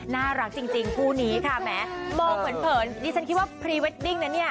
น่ารักจริงคู่นี้ค่ะแหมมองเผินดิฉันคิดว่าพรีเวดดิ้งนะเนี่ย